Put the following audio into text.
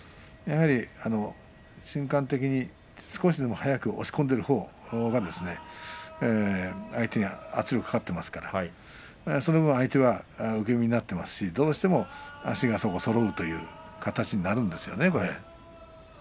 やはり瞬間的に少しでも早く押し込んでいるほうが相手に圧力がかかっていますからその分相手が受け身になっていますしどうしても足がそろうという形になるんですよね。